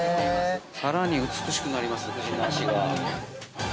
◆さらに美しくなります、夫人の足が。